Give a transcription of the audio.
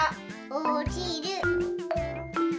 おちる。